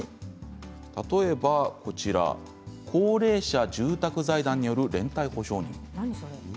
例えば高齢者住宅財団による連帯保証人。